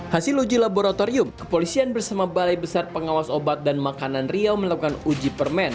hasil uji laboratorium kepolisian bersama balai besar pengawas obat dan makanan riau melakukan uji permen